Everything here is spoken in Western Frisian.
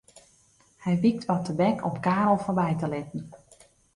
Hy wykt wat tebek om Karel foarby te litten.